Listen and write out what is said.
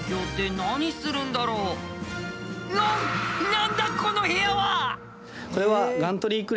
何だこの部屋は！